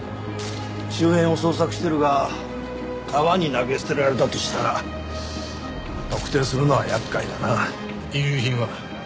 周辺を捜索してるが川に投げ捨てられたとしたら特定するのは厄介だな。遺留品は？